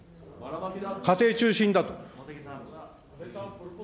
家庭中心だと。